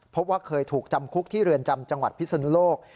พบว่าเคยถูกจำคุกที่เรือนจำจังหวัดพิศนุโลก